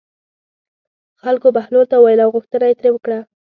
خلکو بهلول ته وویل او غوښتنه یې ترې وکړه.